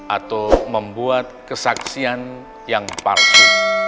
atau membuat kesaksian yang palsu